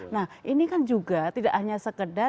nah ini kan juga tidak hanya sekedar